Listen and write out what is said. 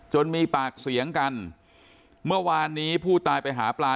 มีปากเสียงกันเมื่อวานนี้ผู้ตายไปหาปลา